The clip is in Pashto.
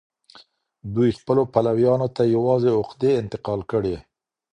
دوی خپلو پلويانو ته يوازې عقدې انتقال کړې.